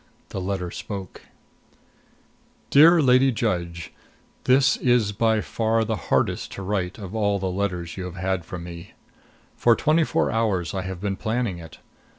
The letter spoke: DEAR LADY JUDGE: This is by far the hardest to write of all the letters you have had from me. For twenty four hours I have been planning it.